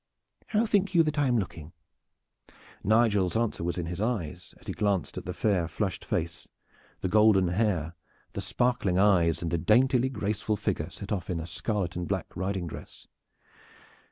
How think you that I am looking?" Nigel's answer was in his eyes as he glanced at the fair flushed face, the golden hair, the sparkling eyes and the daintily graceful figure set off in a scarlet and black riding dress.